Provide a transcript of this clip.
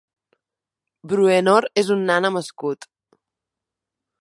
Bruenor és un nan amb escut.